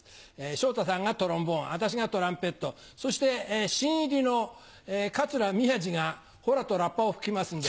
昇太さんがトロンボーン私がトランペットそして新入りの桂宮治がほらとラッパを吹きますんで。